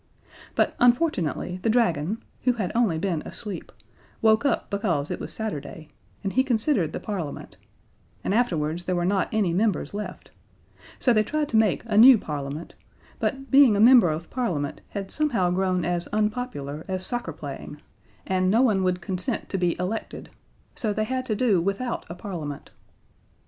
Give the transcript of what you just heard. But unfortunately the Dragon, who had only been asleep, woke up because it was Saturday, and he considered the Parliament, and afterwards there were not any Members left, so they tried to make a new Parliament, but being a member of Parliament had somehow grown as unpopular as soccer playing, and no one would consent to be elected, so they had to do without a Parliament.